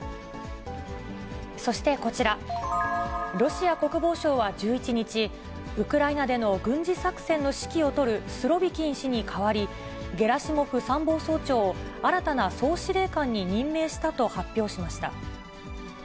そしてこちら、ロシア国防省は１１日、ウクライナでの軍事作戦の指揮を執るスロビキン氏に代わり、ゲラシモフ参謀総長を新たな総司令官に任命したと発表しました。